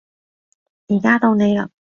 而家到你嘞